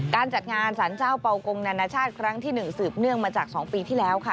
การจัดงานสารเจ้าเป่ากงนานาชาติครั้งที่๑สืบเนื่องมาจาก๒ปีที่แล้วค่ะ